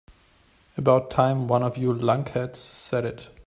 About time one of you lunkheads said it.